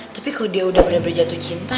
tapi kalo dia udah bener bener jatuh cinta